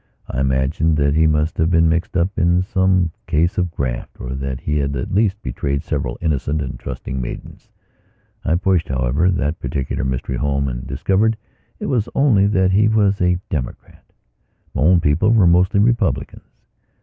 I imagined that he must have been mixed up in some case of graft or that he had at least betrayed several innocent and trusting maidens. I pushed, however, that particular mystery home and discovered it was only that he was a Democrat. My own people were mostly Republicans.